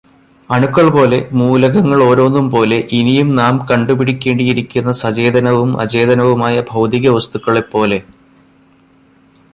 അണുക്കൾ പോലെ, മൂലകങ്ങളോരോന്നും പോലെ, ഇനിയും നാം കണ്ടുപിടിക്കേണ്ടിയിരിക്കുന്ന സചേതനവും അചേതനവുമായ ഭൗതികവസ്തുക്കളെപ്പോലെ